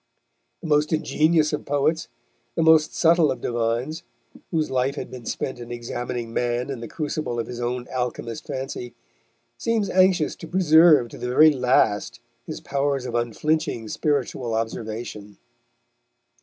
The most ingenious of poets, the most subtle of divines, whose life had been spent in examining Man in the crucible of his own alchemist fancy, seems anxious to preserve to the very last his powers of unflinching spiritual observation.